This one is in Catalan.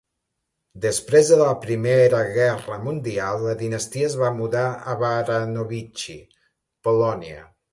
Després de la Primera Guerra Mundial, la dinastia es va mudar a Baranovichi, Polònia.